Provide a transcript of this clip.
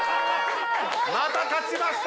また勝ちました！